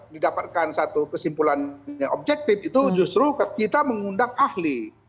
didapatkan satu kesimpulannya objektif itu justru kita mengundang ahli